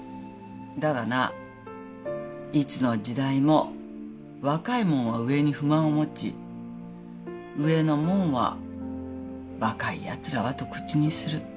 だがないつの時代も若いもんは上に不満を持ち上のもんは「若いやつらは」と口にする。